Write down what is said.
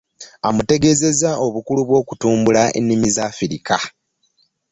Amutegeezezza obukulu bw'okutumbula ennimi za Afirika.